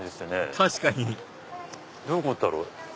確かにどういうことだろう？